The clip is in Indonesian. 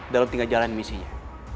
dan lo tinggal jalanin misinya